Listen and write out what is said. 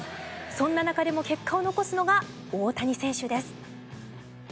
そんな中でも結果を残すのが大谷選手です。